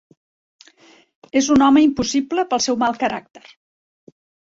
És un home impossible pel seu mal caràcter.